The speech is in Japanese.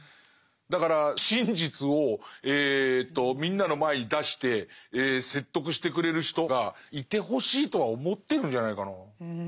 だから真実をみんなの前に出して説得してくれる人がいてほしいとは思ってるんじゃないかな。